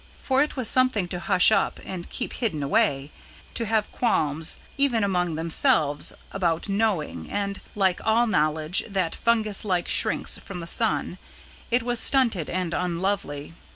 For it was something to hush up and keep hidden away, to have qualms, even among themselves, about knowing; and, like all knowledge that fungus like shrinks from the sun, it was stunted and unlovely.